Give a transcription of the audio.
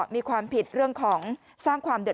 มีความผิดเรื่องของสร้างความเดือด